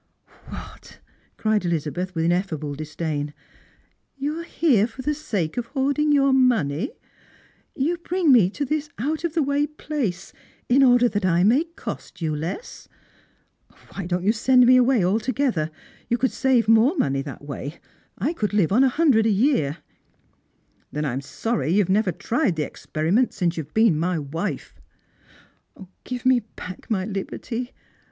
" What !" cried Elizabeth, with inefiable disdain. " You are here for the sake of hoarding your money ! You bring me to this oiit of the way place in order that I may cost you less ! Why don't j'ou send me away altogether? You could save more money that way. I could live upon a hundred a year." " Then I am sorry you have never tried the experiment since you have been my wife." " Give me back my hberty.